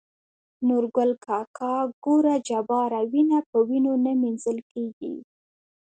نورګل کاکا :ګوره جباره وينه په وينو نه مينځل کيږي.